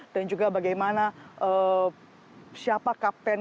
dan juga bagaimana siapa kapten